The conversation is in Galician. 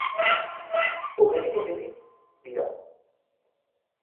O que teña que vir, virá.